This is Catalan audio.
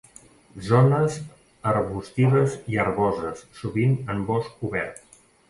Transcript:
Zones arbustives i herboses, sovint en bosc obert.